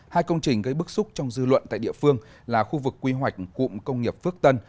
hai công trình gây bức xúc trong dư luận tại địa phương là khu vực quy hoạch cụm công nghiệp phước tân